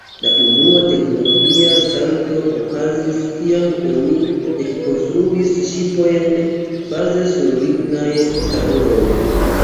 La unua teknologia salto okazis kiam oni ekkonstruis ŝipojn baze sur lignaj tabuloj.